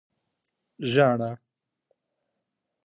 🦩زاڼه